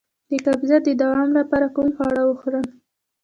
د قبضیت د دوام لپاره کوم خواړه وخورم؟